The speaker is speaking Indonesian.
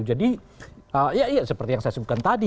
jadi ya seperti yang saya sebutkan tadi